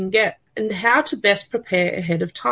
dan bagaimana terbaik untuk berprepara di awal waktu